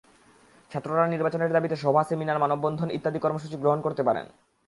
ছাত্ররা নির্বাচনের দাবিতে সভা, সেমিনার, মানববন্ধন ইত্যাদি কর্মসূচি গ্রহণ করতে পারেন।